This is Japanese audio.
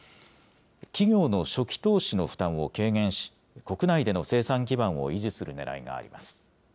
企業の初期投資の負担を軽減し、国内での生産基盤を維持するねらいがあります。